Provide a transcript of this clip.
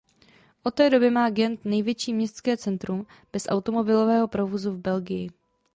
Od té doby má Gent největší městské centrum bez automobilového provozu v Belgii.